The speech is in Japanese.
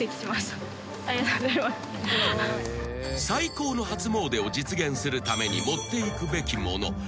［最高の初詣を実現するために持っていくべきもの］